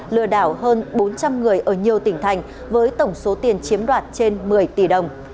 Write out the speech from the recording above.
lừa đảo hơn bốn trăm linh người ở nhiều tỉnh thành với tổng số tiền chiếm đoạt trên một mươi tỷ đồng